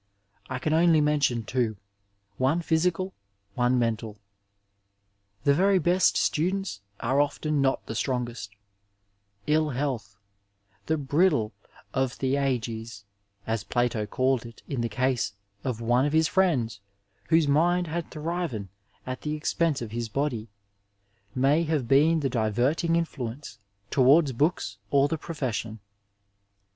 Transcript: I can only mention two, one physical, one mental. The very best students are often not the strongest. Hi health, the bridle of Theages, as Plato called it in the case of one of 379 Digitized by Google THE MA8TBR.W0RD IN MEDICINE Ub MeiidB whose mind had thriven at the expense of his body, may have been the diverting influence towaids books or the profession.